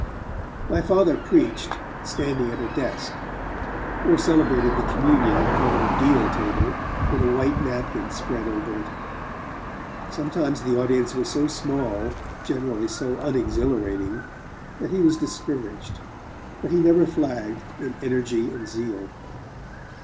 My Father preached, standing at a desk; or celebrated the communion in front of a deal table, with a white napkin spread over it. Sometimes the audience was so small, generally so unexhilarating, that he was discouraged, but he never flagged in energy and zeal.